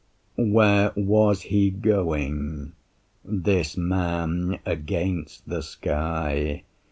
Where was he going, this man against the sky?